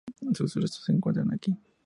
Sus restos se encuentran aquí.